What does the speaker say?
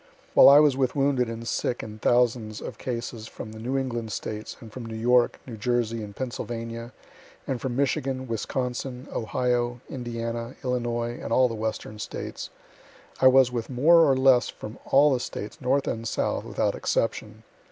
While I was with wounded and sick in thousands of cases from the New England States, and from New York, New Jersey, and Pennsylvania, and from Michigan, Wisconsin, Ohio, Indiana, Illinois, and all the Western States, I was with more or less from all the States, North and South, without exception.